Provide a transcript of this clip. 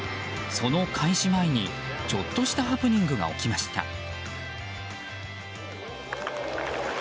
その開始前に、ちょっとしたハプニングが起きました。